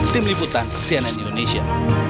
tim liputan cnn indonesia